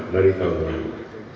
dari tahun lalu